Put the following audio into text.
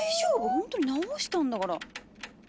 ほんとに直したんだから！